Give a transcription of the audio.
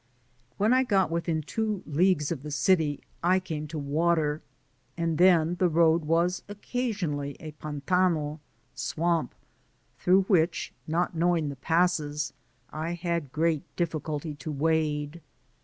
When I got within two leagues of the city, I came to water, and then the road was occasionaUy a pantano (swamp), through which, not knowing the passes, I had great difficulty to wade.